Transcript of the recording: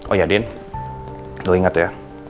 oh ya din lo inget ya